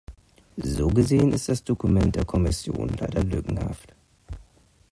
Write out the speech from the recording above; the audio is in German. So gesehen ist das Dokument der Kommission leider lückenhaft.